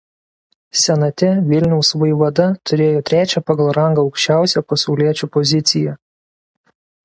Senate Vilniaus vaivada turėjo trečią pagal rangą aukščiausią pasauliečių poziciją.